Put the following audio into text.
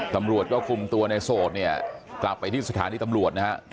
ตำรวจก็คุมตัวในโสดเนี่ยกลับไปที่สถานีตำรวจนะฮะ